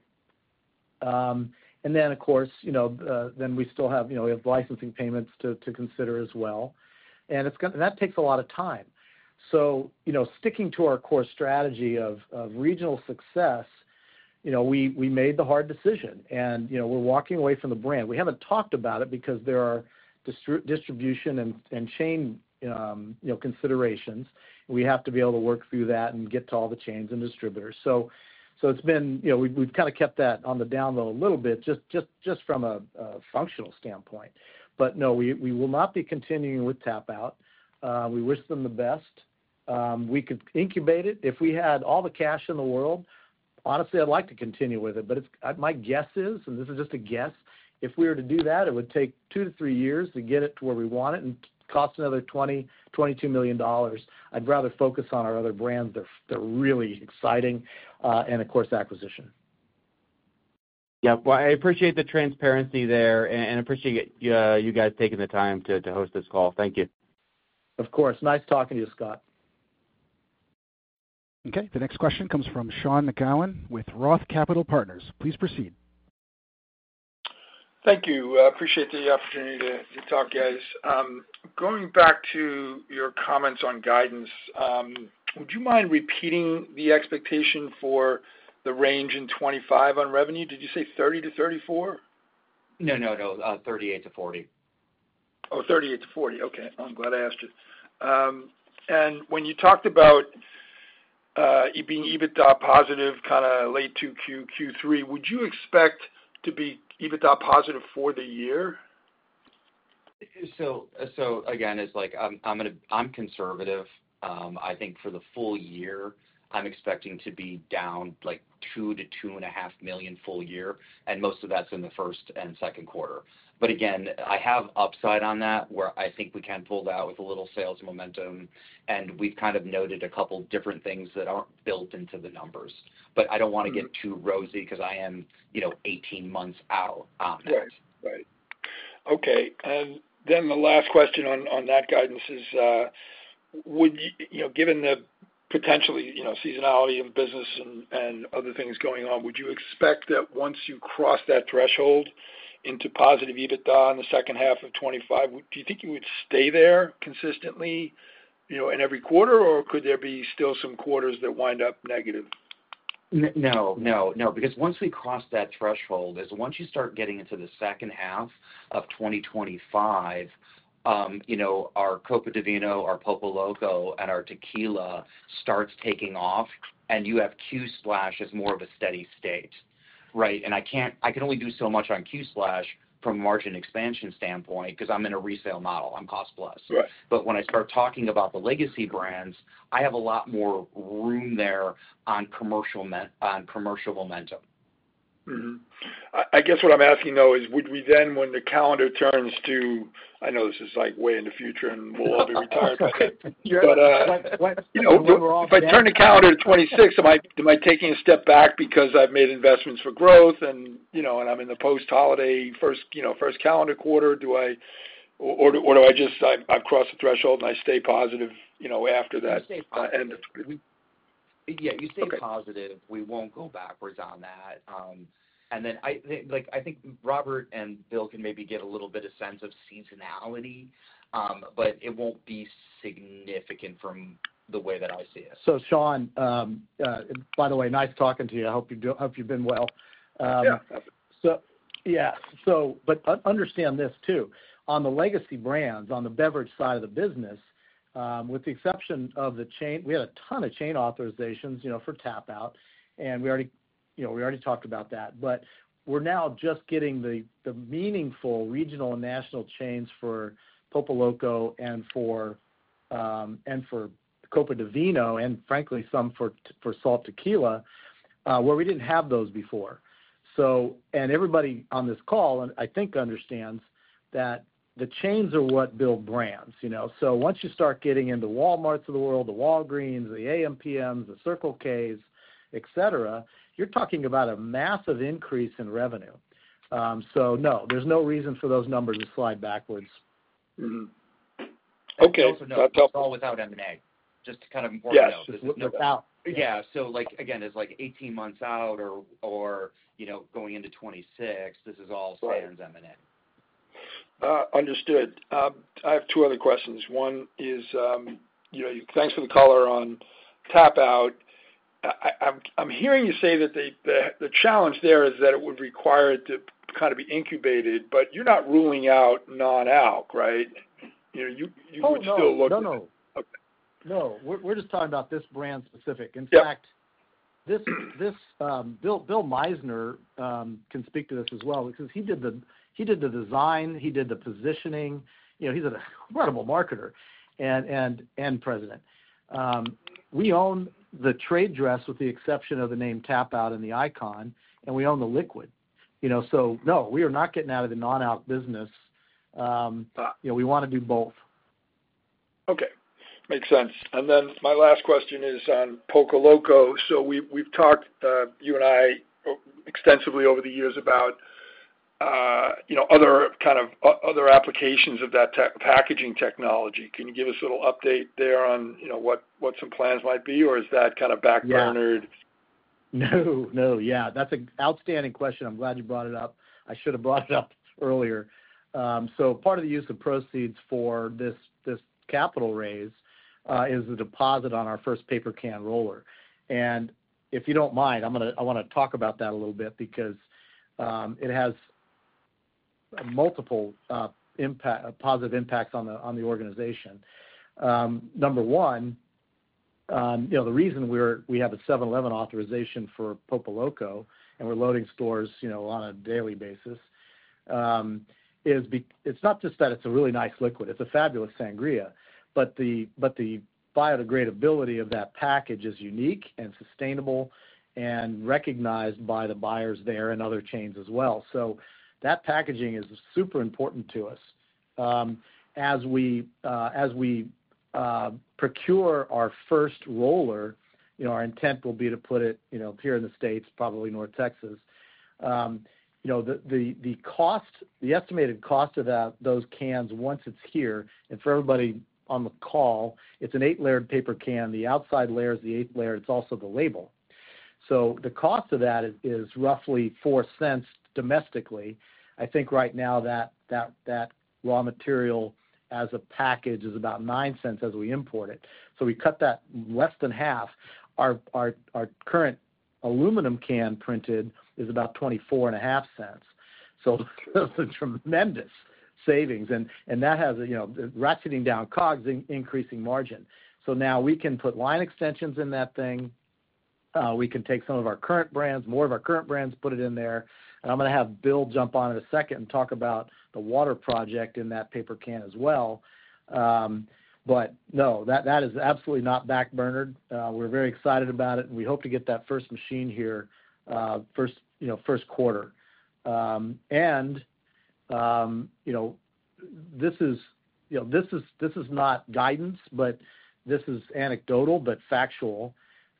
and then, of course, you know, we still have, you know, we have licensing payments to consider as well, and it's gonna, and that takes a lot of time. So, you know, sticking to our core strategy of regional success, you know, we made the hard decision, and, you know, we're walking away from the brand. We haven't talked about it because there are distribution and chain, you know, considerations. We have to be able to work through that and get to all the chains and distributors. So, it's been, you know, we've kind of kept that on the down low a little bit, just from a functional standpoint. But no, we will not be continuing with TapouT. We wish them the best. We could incubate it. If we had all the cash in the world, honestly, I'd like to continue with it, but it's... My guess is, and this is just a guess, if we were to do that, it would take two to three years to get it to where we want it and cost another $22 million. I'd rather focus on our other brands that're really exciting, and of course, acquisition. Yeah. Well, I appreciate the transparency there, and appreciate you, you guys taking the time to host this call. Thank you. Of course. Nice talking to you, Scott. Okay, the next question comes from Sean McGowan with Roth Capital Partners. Please proceed. Thank you. Appreciate the opportunity to talk, guys. Going back to your comments on guidance, would you mind repeating the expectation for the range in 2025 on revenue? Did you say 30-34? No, no, no, 38-40. Oh, thirty-eight to forty. Okay. I'm glad I asked you and when you talked about you being EBITDA positive, kind of late Q2, Q3, would you expect to be EBITDA positive for the year? Again, it's like I'm gonna be conservative. I think for the full year, I'm expecting to be down, like, $2 million-$2.5 million full year, and most of that's in the first and second quarter. But again, I have upside on that, where I think we can pull that with a little sales momentum, and we've kind of noted a couple different things that aren't built into the numbers. But I don't wanna get too rosy because I am, you know, 18 months out on that. Right. Right. Okay, and then the last question on that guidance is, would you know, given the potentially, you know, seasonality in business and other things going on, would you expect that once you cross that threshold into positive EBITDA in the second half of 2025, do you think you would stay there consistently, you know, in every quarter, or could there be still some quarters that wind up negative? No. No, no, because once we cross that threshold, is once you start getting into the second half of 2025, you know, our Copa di Vino, our Pulpoloco, and our tequila starts taking off, and you have Qplash as more of a steady state, right? And I can't, I can only do so much on Qplash from a margin expansion standpoint, because I'm in a resale model. I'm cost plus. Right. But when I start talking about the legacy brands, I have a lot more room there on commercial momentum. Mm-hmm. I guess what I'm asking, though, is would we then, when the calendar turns to... I know this is, like, way in the future, and we'll all be retired. But, What, what- If I turn the calendar to 2026, am I taking a step back because I've made investments for growth and, you know, and I'm in the post-holiday first, you know, first calendar quarter? Do I... Or do I just, I've crossed the threshold, and I stay positive, you know, after that, end of- Yeah, you stay positive. Okay. We won't go backwards on that. And then I, like, I think Robert and Bill can maybe give a little bit of sense of seasonality, but it won't be significant from the way that I see it. So, Sean, by the way, nice talking to you. I hope you've been well. Yeah. So, but understand this, too. On the legacy brands, on the beverage side of the business, with the exception of the chain, we had a ton of chain authorizations, you know, for TapouT, and we already, you know, we already talked about that. But we're now just getting the meaningful regional and national chains for Pulpoloco and for, and for Copa di Vino, and frankly, some for SALT Tequila, where we didn't have those before. So, and everybody on this call, and I think understands, that the chains are what build brands, you know? So once you start getting into Walmarts of the world, the Walgreens, the AMPMs, the Circle Ks, et cetera, you're talking about a massive increase in revenue. So no, there's no reason for those numbers to slide backwards. Mm-hmm. Okay. Also, no, it's all without M&A. Just kind of important to know. Yes. Without- Yeah. So like, again, it's like eighteen months out or, you know, going into 2026, this is all- Right. Standard M&A. Understood. I have two other questions. One is, you know, thanks for the color on TapouT. I'm hearing you say that the challenge there is that it would require it to kind of be incubated, but you're not ruling out non-alc, right? You know, you- Oh, no! You would still look- No, no. Okay. No. We're just talking about this brand specific. Yeah. In fact, this Bill Meissner can speak to this as well because he did the design, he did the positioning. You know, he's an incredible marketer and President. We own the trade dress, with the exception of the name TapouT and the icon, and we own the liquid. You know? So, no, we are not getting out of the non-alc business. You know, we wanna do both. Okay. Makes sense. And then my last question is on Pulpoloco. So we've talked, you and I, extensively over the years about, you know, other kind of, other applications of that packaging technology. Can you give us a little update there on, you know, what some plans might be, or is that kind of backburnered?... No, no. Yeah, that's an outstanding question. I'm glad you brought it up. I should have brought it up earlier. So part of the use of proceeds for this, this capital raise, is the deposit on our first paper can roller. And if you don't mind, I'm gonna talk about that a little bit because it has a multiple impact, a positive impact on the organization. Number one, you know, the reason we have a 7-Eleven authorization for Pulpoloco, and we're loading stores, you know, on a daily basis, is it's not just that it's a really nice liquid, it's a fabulous sangria, but the biodegradability of that package is unique and sustainable and recognized by the buyers there and other chains as well. So that packaging is super important to us. As we procure our first roller, you know, our intent will be to put it, you know, here in the States, probably North Texas. You know, the cost, the estimated cost of that, those cans once it's here, and for everybody on the call, it's an eight-layered paper can. The outside layer is the eighth layer, it's also the label. So the cost of that is roughly $0.04 domestically. I think right now that raw material as a package is about $0.09 as we import it. So we cut that less than half. Our current aluminum can printed is about $0.245. So those are tremendous savings, and that has, you know, ratcheting down COGS, increasing margin. So now we can put line extensions in that thing. We can take some of our current brands, more of our current brands, put it in there. And I'm gonna have Bill jump on in a second and talk about the water project in that paper can as well. But no, that is absolutely not backburnered. We're very excited about it, and we hope to get that first machine here, you know, first quarter. You know, this is not guidance, but this is anecdotal, but factual.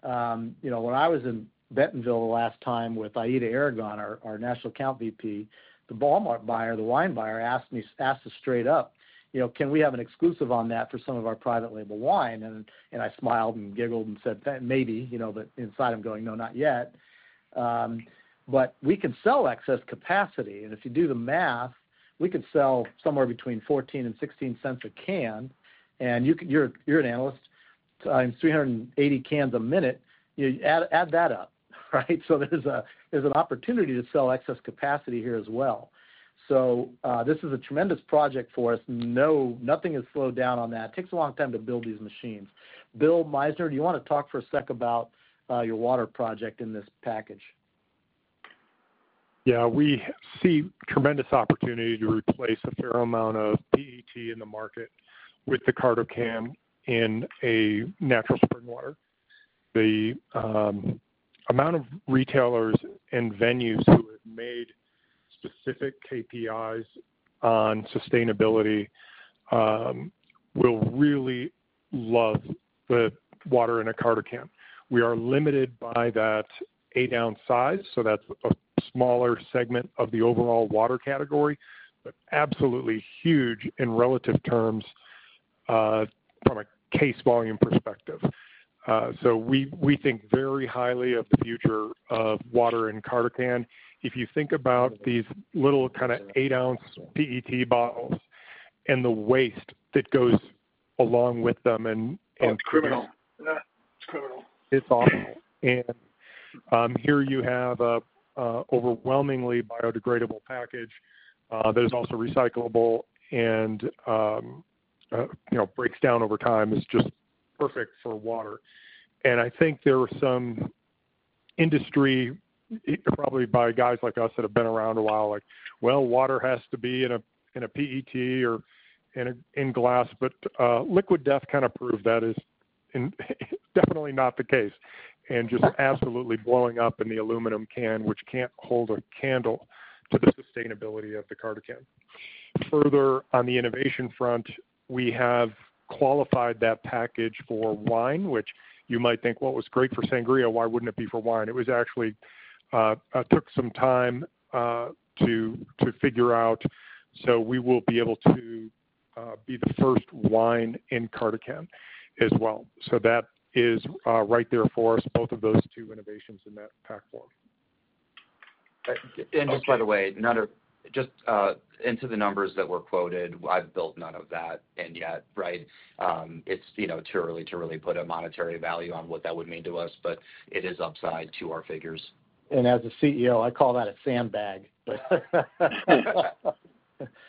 You know, when I was in Bentonville last time with Aida Aragon, our National Account VP, the Walmart buyer, the wine buyer, asked us straight up, you know, "Can we have an exclusive on that for some of our private label wine?" And I smiled and giggled and said, "Maybe," you know, but inside I'm going, "No, not yet." But we can sell excess capacity, and if you do the math, we could sell somewhere between $0.14-$0.16 a can. And you're an analyst, so in 380 cans a minute, you add that up, right? So there's an opportunity to sell excess capacity here as well. So this is a tremendous project for us. No, nothing has slowed down on that. It takes a long time to build these machines. Bill Meissner, do you wanna talk for a sec about your water project in this package? Yeah, we see tremendous opportunity to replace a fair amount of PET in the market with the CartoCan in a natural spring water. The amount of retailers and venues who have made specific KPIs on sustainability will really love the water in a CartoCan. We are limited by that eight-ounce size, so that's a smaller segment of the overall water category, but absolutely huge in relative terms from a case volume perspective. So we think very highly of the future of water in CartoCan. If you think about these little kind of eight-ounce PET bottles and the waste that goes along with them, and- Oh, it's criminal. It's criminal. It's awful. And, here you have a overwhelmingly biodegradable package, that is also recyclable and, you know, breaks down over time. It's just perfect for water. And I think there are some industry, probably by guys like us that have been around a while, like, well, water has to be in a PET or in a glass, but, Liquid Death kind of proved that is definitely not the case, and just absolutely blowing up in the aluminum can, which can't hold a candle to the sustainability of the CartoCan. Further, on the innovation front, we have qualified that package for wine, which you might think, Well, it was great for sangria, why wouldn't it be for wine? It was actually took some time to figure out, so we will be able to be the first wine in CartoCan as well. So that is right there for us, both of those two innovations in that pack form. Just by the way, into the numbers that were quoted, I've built none of that in yet, right? It's, you know, too early to really put a monetary value on what that would mean to us, but it is upside to our figures. As a CEO, I call that a sandbag. I'm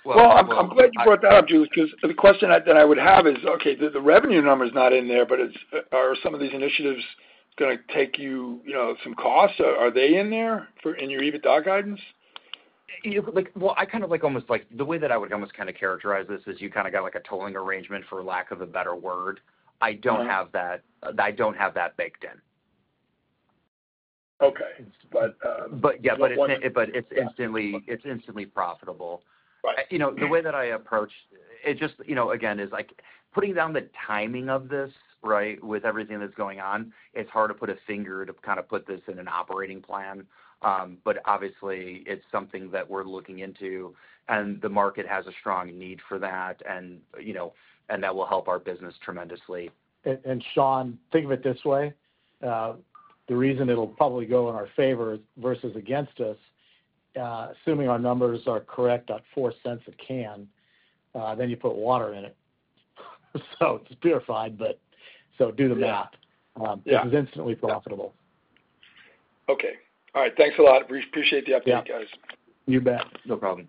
glad you brought that up, Julius, because the question that I would have is, okay, the revenue number is not in there, but it's are some of these initiatives gonna take you, you know, some costs? Are they in there, in your EBITDA guidance? Like, well, the way that I would almost kind of characterize this is you kind of got like a tolling arrangement, for lack of a better word. Mm-hmm. I don't have that, I don't have that baked in. Okay. But, But yeah, it's instantly profitable. Right. You know, the way that I approach it, just, you know, again, is like putting down the timing of this, right, with everything that's going on. It's hard to put a finger to kind of put this in an operating plan. But obviously, it's something that we're looking into, and the market has a strong need for that, and, you know, and that will help our business tremendously. And, Sean, think of it this way.... the reason it'll probably go in our favor versus against us, assuming our numbers are correct, at $0.04 a can, then you put water in it. So it's purified, but so do the math. Yeah. This is instantly profitable. Okay. All right. Thanks a lot. Appreciate the update, guys. Yeah, you bet. No problem.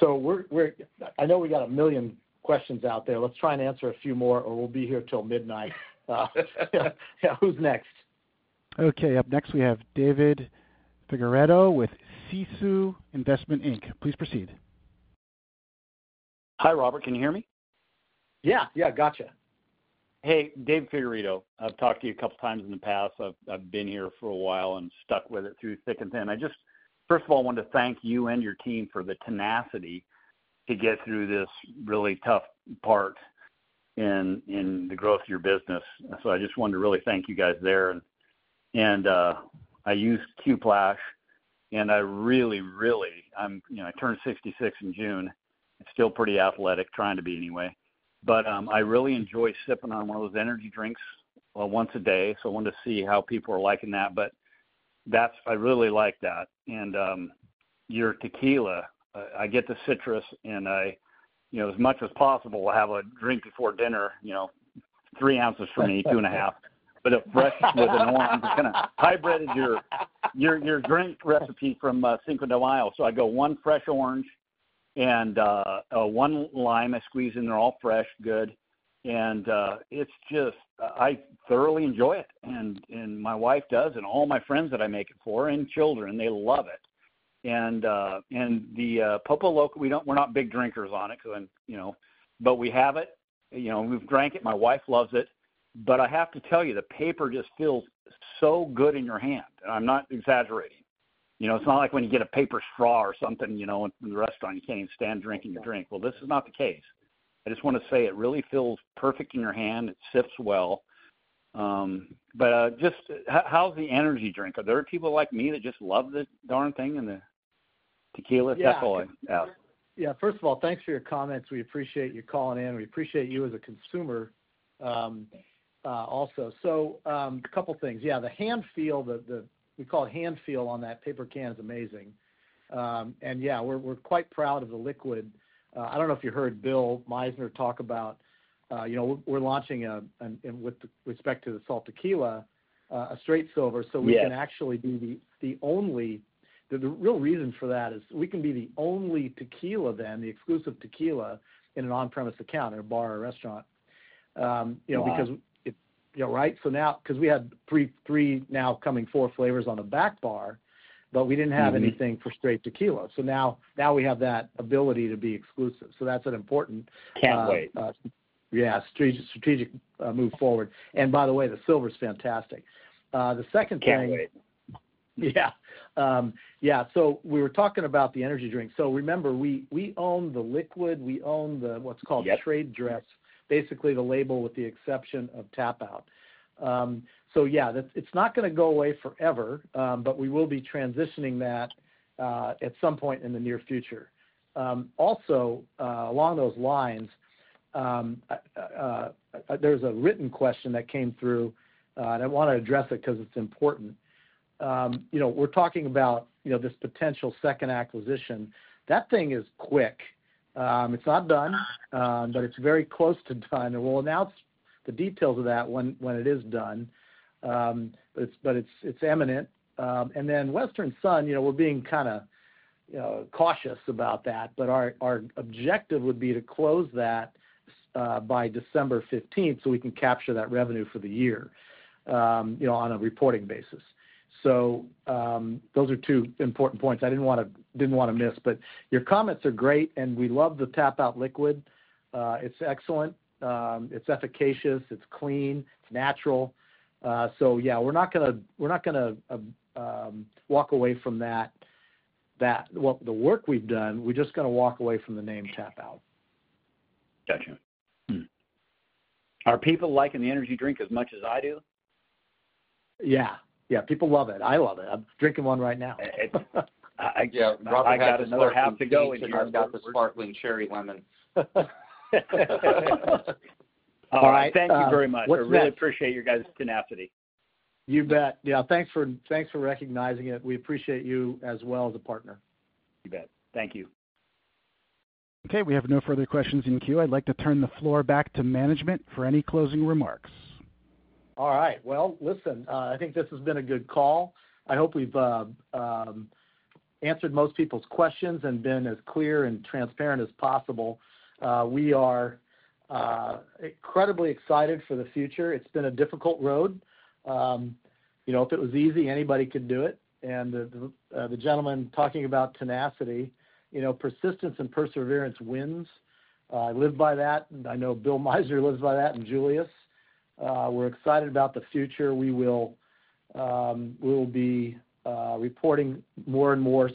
So we're, I know we got a million questions out there. Let's try and answer a few more, or we'll be here till midnight. Yeah, who's next? Okay, up next, we have David Figueredo with CSU Investment Inc. Please proceed. Hi, Robert. Can you hear me? Yeah. Yeah, gotcha. Hey, David Figueredo. I've talked to you a couple of times in the past. I've been here for a while and stuck with it through thick and thin. First of all, I wanted to thank you and your team for the tenacity to get through this really tough part in the growth of your business. So I just wanted to really thank you guys there. And I use Qplash, and I really, really, you know, I turned 66 in June. I'm still pretty athletic, trying to be anyway. But I really enjoy sipping on one of those energy drinks once a day, so I wanted to see how people are liking that. But that's. I really like that. Your tequila, I get the citrus and I, you know, as much as possible, will have a drink before dinner, you know, three ounces for me, two and a half. But it's fresh with an orange. I kind of hybridized your drink recipe from Cinco de Mayo. So I go one fresh orange and one lime, I squeeze in. They're all fresh, good. And it's just I thoroughly enjoy it, and my wife does, and all my friends that I make it for, and children, they love it. And the Pulpoloco, we don't, we're not big drinkers on it, 'cause, you know, but we have it, you know, we've drank it. My wife loves it. But I have to tell you, the paper just feels so good in your hand, and I'm not exaggerating. You know, it's not like when you get a paper straw or something, you know, in the restaurant. You can't even stand drinking a drink. Well, this is not the case. I just want to say it really feels perfect in your hand. It sips well. But just how's the energy drink? Are there people like me that just love the darn thing and the tequila stuff? Yeah. First of all, thanks for your comments. We appreciate you calling in. We appreciate you as a consumer, also. So, a couple of things. Yeah, the hand feel, we call it hand feel on that paper can is amazing. And yeah, we're quite proud of the liquid. I don't know if you heard Bill Meissner talk about, you know, we're launching, and with respect to the SALT Tequila, a straight silver- Yes. so we can actually be the only. The real reason for that is we can be the only tequila then, the exclusive tequila in an on-premise account in a bar or restaurant. You know, because- Wow. Yeah, right? So now, 'cause we had three, three, now coming four flavors on the back bar, but we didn't have anything- Mm-hmm. for straight tequila. So now, now we have that ability to be exclusive. So that's an important- Can't wait. Yeah, strategic move forward. And by the way, the silver is fantastic. The second thing- Can't wait. Yeah. Yeah, so we were talking about the energy drink. So remember, we own the liquid, we own what's called- Yes... trade dress, basically the label with the exception of TapouT. So yeah, that. It's not gonna go away forever, but we will be transitioning that at some point in the near future. Also, along those lines, there's a written question that came through, and I wanna address it 'cause it's important. You know, we're talking about, you know, this potential second acquisition. That thing is quick. It's not done, but it's very close to done, and we'll announce the details of that when it is done. But it's, it's imminent. Then Western Son, you know, we're being kinda, you know, cautious about that, but our objective would be to close that by December fifteenth, so we can capture that revenue for the year, you know, on a reporting basis. So, those are two important points I didn't wanna miss, but your comments are great, and we love the TapouT liquid. It's excellent, it's efficacious, it's clean, it's natural. So yeah, we're not gonna walk away from that. The work we've done, we're just gonna walk away from the name TapouT. Gotcha. Are people liking the energy drink as much as I do? Yeah. Yeah, people love it. I love it. I'm drinking one right now. Yeah, I got another half to go and- I've got the sparkling cherry lemon. All right. Thank you very much. What's next? I really appreciate your guys' tenacity. You bet. Yeah, thanks for recognizing it. We appreciate you as well as a partner. You bet. Thank you. Okay, we have no further questions in queue. I'd like to turn the floor back to management for any closing remarks. All right. Well, listen, I think this has been a good call. I hope we've answered most people's questions and been as clear and transparent as possible. We are incredibly excited for the future. It's been a difficult road. You know, if it was easy, anybody could do it. And the gentleman talking about tenacity, you know, persistence and perseverance wins. I live by that, and I know Bill Meissner lives by that, and Julius. We're excited about the future. We will be reporting more and more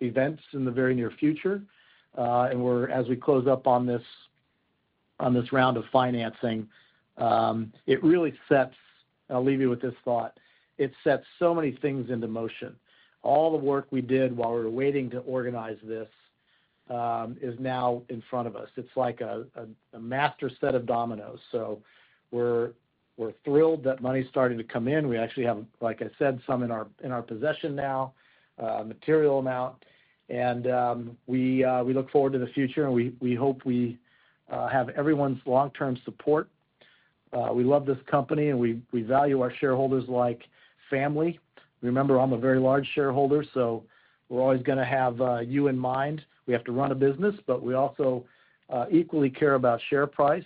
events in the very near future, and as we close up on this round of financing, it really sets... I'll leave you with this thought: It sets so many things into motion. All the work we did while we were waiting to organize this is now in front of us. It's like a master set of dominoes. So we're thrilled that money's starting to come in. We actually have, like I said, some in our possession now, material amount, and we look forward to the future, and we hope we have everyone's long-term support. We love this company, and we value our shareholders like family. Remember, I'm a very large shareholder, so we're always gonna have you in mind. We have to run a business, but we also equally care about share price,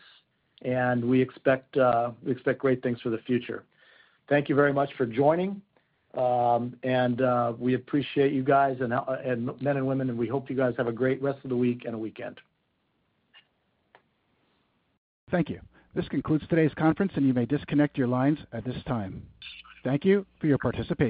and we expect great things for the future. Thank you very much for joining, and we appreciate you guys and men and women, and we hope you guys have a great rest of the week and weekend. Thank you. This concludes today's conference, and you may disconnect your lines at this time. Thank you for your participation.